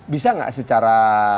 bisa nggak secara